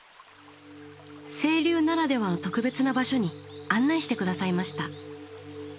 清流ならではの特別な場所に案内して下さいました。